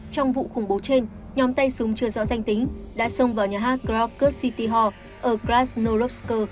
trong vụ khủng bố trên nhóm tay súng chưa rõ danh tính đã xông vào nhà hát grobko city hall ở krasnoyarsk